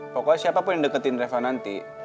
pokoknya siapa pun yang deketin reva nanti